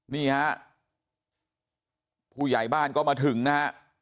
นี่ฮะผู้ใหญ่บ้านก็มาถึงนะฮะ